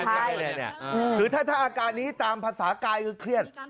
คือถ้าอาการนี้ตามภาษากายคือเครียด